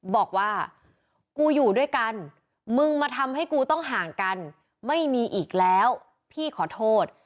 บอกว่ากูอยู่ด้วยกันมึงมาทำให้กูต้องห่างกันไม่มีอีกแล้วพี่ขอโทษ